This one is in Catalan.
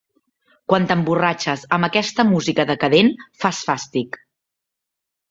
Quan t'emborratxes amb aquesta música decadent fas fàstic!